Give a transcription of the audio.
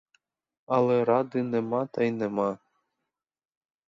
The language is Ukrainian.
Але ради нема та й нема!